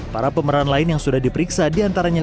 para pemeran lain yang sudah diperiksa diantaranya